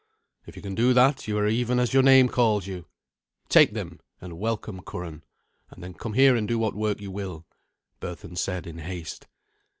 "If you can do that, you are even as your name calls you. Take them and welcome, Curan, and then come here and do what work you will," Berthun said in haste.